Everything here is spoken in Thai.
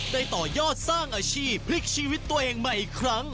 ต่อยอดสร้างอาชีพพลิกชีวิตตัวเองใหม่อีกครั้ง